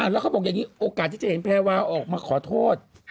แล้วเขาบอกอย่างนี้โอกาสที่จะเห็นแพรวาออกมาขอโทษ